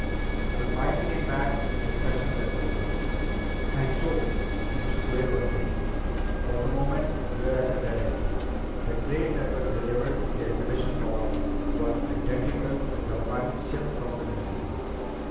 Her mind came back to the discussion that was going on. "... and so," Mr. Quayle was saying, "for the moment we're at a dead end. The crate that was delivered to the exhibition hall was identical with the one shipped from the museum.